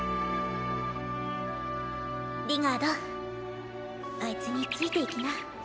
リガードあいつに付いていきな。